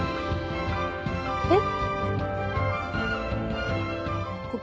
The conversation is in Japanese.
えっ？